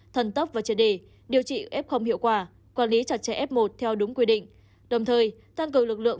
thần tốc và triệt đề điều trị f hiệu quả quản lý chặt chẽ f một theo đúng quy định đồng thời tăng cường lực lượng